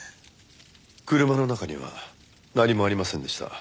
車の中には何もありませんでした。